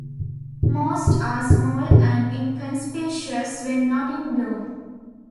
Most are small and inconspicuous when not in bloom.